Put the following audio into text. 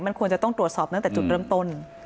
มันควรจะต้องตรวจสอบตั้งแต่จุดเริ่มต้น